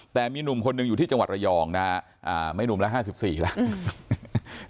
แต่มีหนุ่มคนนึงอยู่ที่จังหวัดระยองนะฮะอ่าไม่หนุ่มแล้วห้าสิบสี่แล้วอืม